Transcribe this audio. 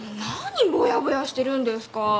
何ぼやぼやしてるんですか。